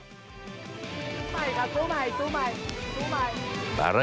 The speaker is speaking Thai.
ไปค่ะสู้ไปสู้ไปสู้ไป